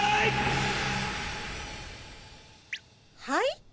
はい？